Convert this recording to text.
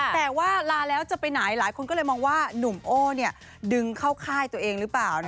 แต่ว่าลาแล้วจะไปไหนหลายคนก็เลยมองว่าหนุ่มโอ้ดึงเข้าค่ายตัวเองหรือเปล่า